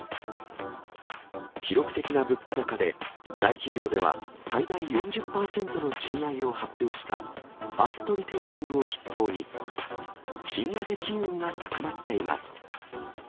記録的な物価高で、大企業では最大４０％の賃上げを発表したファーストリテイリングを筆頭に、賃上げ機運が高まっています。